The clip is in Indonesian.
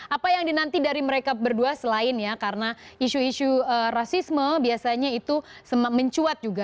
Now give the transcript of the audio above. apa yang dinanti dari mereka berdua selain ya karena isu isu rasisme biasanya itu mencuat juga